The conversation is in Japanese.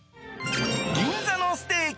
銀座のステーキ